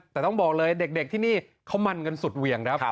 แต่ต้องบอกเลยเด็กที่นี่เขามั่นกันสุดเหวี่ยงครับ